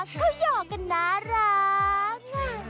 เขาหยอกกันน่ารัก